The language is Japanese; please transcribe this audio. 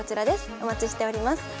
お待ちしております。